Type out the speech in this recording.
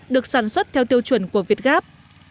được sản xuất theo tiêu chuẩn của việt gáp